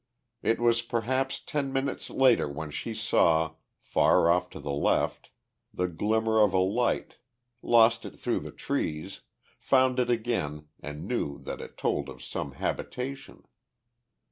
It was perhaps ten minutes later when she saw, far off to the left, the glimmer of a light, lost it through the trees, found it again and knew that it told of some habitation.